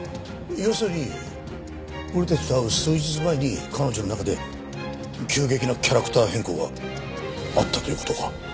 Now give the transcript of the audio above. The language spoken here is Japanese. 要するに俺たちと会う数日前に彼女の中で急激なキャラクター変更があったという事か？